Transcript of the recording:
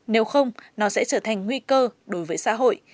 nếu không nó sẽ trở thành nguy cơ đối với xã hội